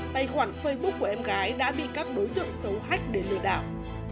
tài khoản facebook của em gái đã bị các đối tượng xấu hách để lừa đảo